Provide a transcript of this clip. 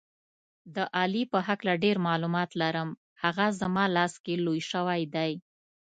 د علي په هکله ډېر معلومات لرم، هغه زما لاس کې لوی شوی دی.